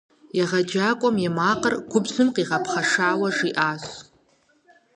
Егъэджакӏуэм и макъыр губжьым къигъэпхъэшауэ жиӏащ.